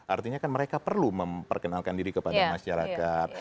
artinya kan mereka perlu memperkenalkan diri kepada masyarakat